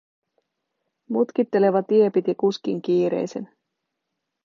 Mutkitteleva tie piti kuskin kiireisenä.